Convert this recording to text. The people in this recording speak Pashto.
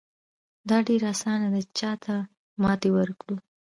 دا ډېره اسانه ده چې چاته ماتې ورکړو.